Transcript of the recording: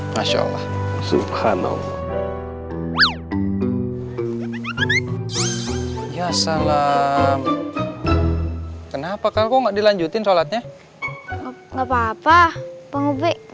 masya allah subhanallah ya salam kenapa kau nggak dilanjutin sholatnya nggak papa penghubung